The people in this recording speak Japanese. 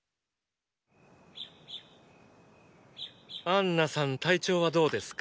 アンナさん体調はどうですか？